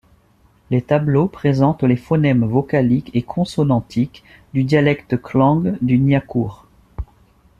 Les tableaux présentent les phonèmes vocaliques et consonantiques du dialecte klang du nyahkur.